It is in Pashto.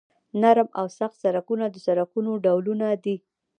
نرم او سخت سرکونه د سرکونو ډولونه دي